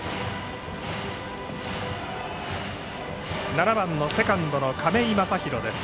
７番のセカンドの亀井将広です。